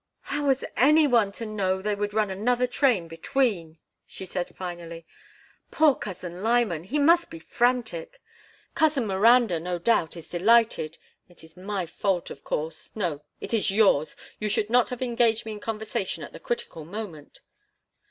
"How was any one to know they would run another train between?" she said, finally. "Poor Cousin Lyman! He must be frantic. Cousin Miranda, no doubt, is delighted. It is my fault, of course—no, it is yours; you should not have engaged me in conversation at the critical moment."